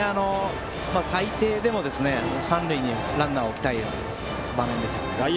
最低でも三塁にランナーを置きたい場面ですね。